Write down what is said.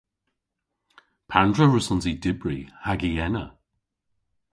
Pandr'a wrussons i dybri hag i ena?